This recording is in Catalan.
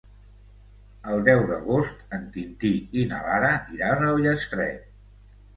El deu d'agost en Quintí i na Lara iran a Ullastret.